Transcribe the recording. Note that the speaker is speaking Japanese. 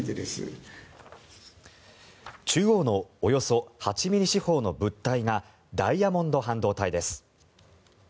中央のおよそ８ｍｍ四方の物体がダイヤモンド半導体です。